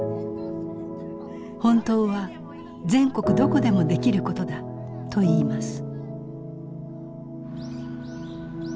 本当は全国どこでもできることだと言います。